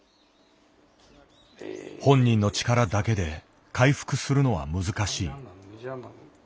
本人の力だけで回復するのは難しい。